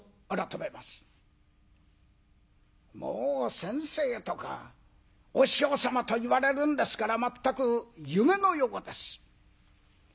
もう先生とかお師匠様と言われるんですからまったく夢のようです。